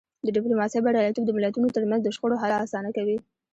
د ډیپلوماسی بریالیتوب د ملتونو ترمنځ د شخړو حل اسانه کوي.